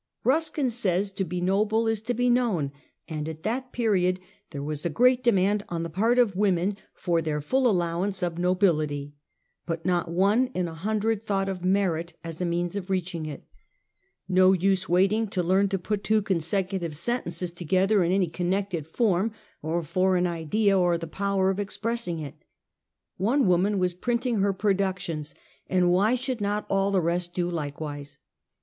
Euskin says to be noble is to be known, and at that period there was a great demand on the part of women for their full allowance of nobility; but not one in a hundred thought of merit as a means of reaching it. No use waiting to learn to put two con 142 Half a Century. secutive sentences together in anj connected form, or for an idea or the power of expressing it. One woman was printing her productions, and why shonld not all the rest do likewise?